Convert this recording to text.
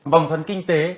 vòng xuân kinh tế